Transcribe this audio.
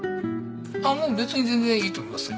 もう別に全然いいと思いますよ。